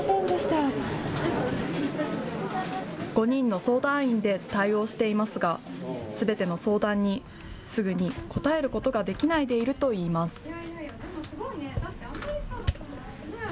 ５人の相談員で対応していますがすべての相談にすぐに応えることができないでいるといいます。